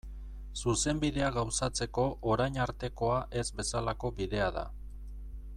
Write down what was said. Zuzenbidea gauzatzeko orain artekoa ez bezalako bidea da.